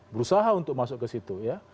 berusaha untuk masuk ke situ ya